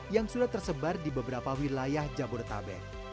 yang sudah tersebar di beberapa wilayah jabodetabek